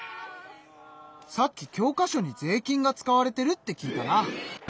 さっき教科書に税金が使われてるって聞いたな。